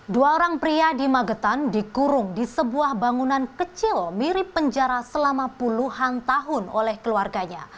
dua orang pria di magetan dikurung di sebuah bangunan kecil mirip penjara selama puluhan tahun oleh keluarganya